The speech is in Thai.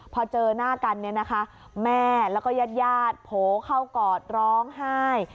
พอเจอหน้ากันเนี่ยนะคะแม่แล้วก็ญาติญาติโผล่เข้ากอดร้องไห้